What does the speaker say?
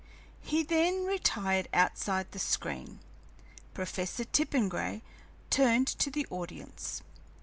He then retired outside the screen. Professor Tippengray turned to the audience.